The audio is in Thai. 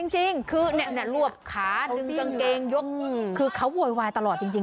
จริงคือเนี้ยเนี่ยรวบขาดึงจังเกงยกคือเขาววยไหวตลอดจริง